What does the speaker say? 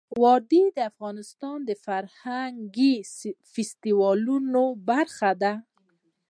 وادي د افغانستان د فرهنګي فستیوالونو برخه ده.